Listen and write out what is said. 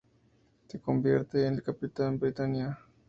Se convierte en el Capitán Britania.